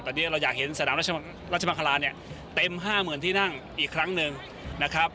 ตอนนี้เราอยากเห็นสนามราชมังคลาเนี่ยเต็ม๕๐๐๐ที่นั่งอีกครั้งหนึ่งนะครับ